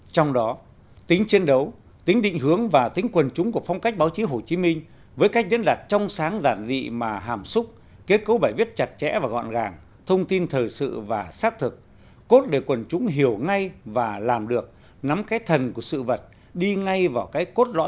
trong đó tính chiến đấu tính định hướng và tính quần chúng của phong cách báo chí hồ chí minh với cách diễn đạt trong sáng giản dị mà hàm xúc kết cấu bài viết chặt chẽ và gọn gàng thông tin thời sự và xác thực cốt để quần chúng hiểu ngay và làm được nắm cái thần của sự vật đi ngay vào cái cốt lõi